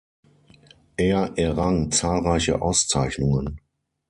Er errang zahlreiche Auszeichnungen.